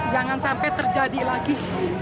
jangan sampai terjadi lagi